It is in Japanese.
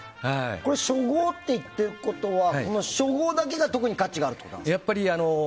初号ということは初号だけが特に価値があるってことですか？